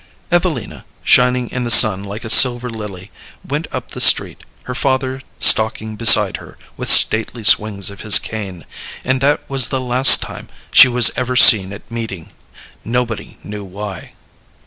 Evelina, shining in the sun like a silver lily, went up the street, her father stalking beside her with stately swings of his cane, and that was the last time she was ever seen at meeting. Nobody knew why.